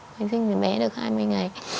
mới sinh mẹ được khoảng hai mươi ngày